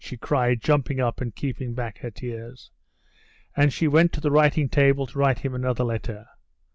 she cried, jumping up and keeping back her tears. And she went to the writing table to write him another letter.